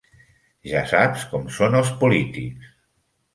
Ja saps com són els polítics.